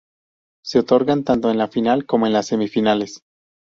Se otorgan tanto en la final como en las semifinales.